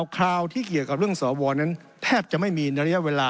คราวที่เกี่ยวกับเรื่องสวนั้นแทบจะไม่มีระยะเวลา